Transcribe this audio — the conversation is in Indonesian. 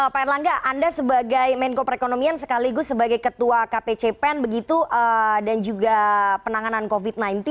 pak erlangga anda sebagai menko perekonomian sekaligus sebagai ketua kpcpen begitu dan juga penanganan covid sembilan belas